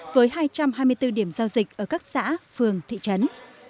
với hai trăm hai mươi bốn điểm giao dịch ở các xã phường thị trấn